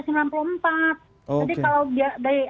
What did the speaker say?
jadi kalau dari